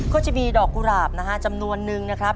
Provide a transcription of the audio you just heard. ก็จะมีดอกกุหลาบนะฮะจำนวนนึงนะครับ